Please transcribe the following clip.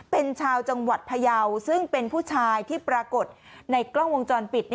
เป็นชาวจังหวัดพยาวซึ่งเป็นผู้ชายที่ปรากฏในกล้องวงจรปิด